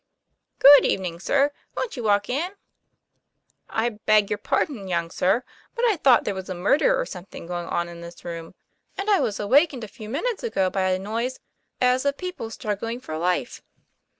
" Good evening, sir. Won't you walk in ?"'" I beg your pardon, young sir; but I thought there was a murder or something going on in this room. I live next door, and I was awakened a few minutes ago by a noise as of people struggling for life."